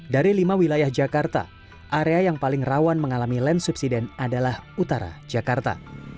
dari lima wilayah jakarta area yang paling rawan mengalami land subsiden adalah utara jakarta